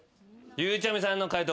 ゆうちゃみさんの解答